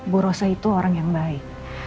bu rosa itu orang yang baik